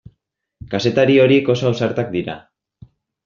Kazetari horiek oso ausartak dira.